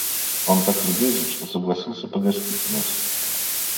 Он так любезен, что согласился погостить у нас.